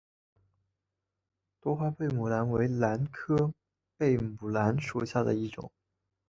多花贝母兰为兰科贝母兰属下的一个种。